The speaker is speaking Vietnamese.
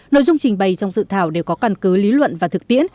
nội dung trình bày trong dự thảo đều có căn cứ lý luận và thực tiễn